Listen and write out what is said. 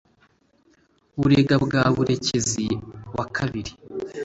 burega bwa murekezi wa birari